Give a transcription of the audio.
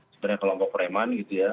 sebenarnya kelompok preman gitu ya